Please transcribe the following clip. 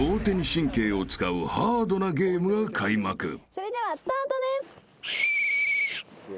それではスタートです。